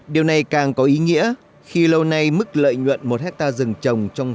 điều này càng có ý nghĩa khi lâu nay mức lợi nhuận một hectare rừng trồng trong